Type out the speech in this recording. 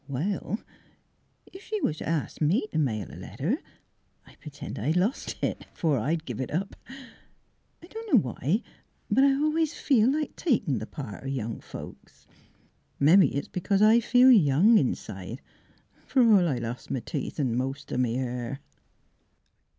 '' Well, ef she was to ask me t' mail a letter, I'd 178 THE HEART OF PHILUEA pr'tend I'd lost it, afore I'd give it up. I dunno why but I always feel like takin' tli' part o' th' young folks. Mebbe it's because I feel young inside, fer all I lost m' teeth an' most o' m' hair.